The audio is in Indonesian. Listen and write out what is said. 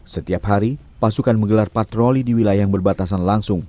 setiap hari pasukan menggelar patroli di wilayah yang berbatasan langsung